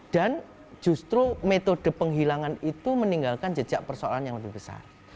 dan justru metode penghilangan itu meninggalkan jejak persoalan yang lebih besar